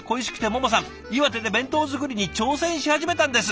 岩手で弁当作りに挑戦し始めたんです！